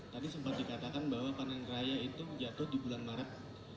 tadi sempat dikatakan bahwa panen raya itu jatuh di bulan maret